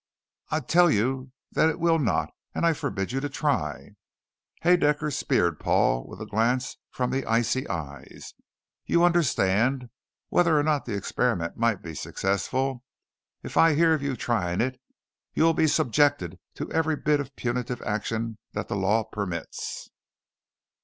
"I tell you that it will not, and I forbid you to try." Haedaecker speared Paul with a glance from the icy eyes. "You understand, whether or not the experiment might be successful, if I hear of your trying it, you will be subjected to every bit of punitive action that the law permits."